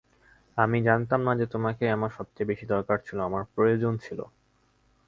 আমি জানতাম না যে তোমাকেই আমার সবচেয়ে বেশি দরকার ছিল আমার প্রয়োজন ছিল।